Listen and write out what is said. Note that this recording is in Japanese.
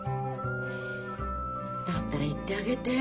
だったら言ってあげて。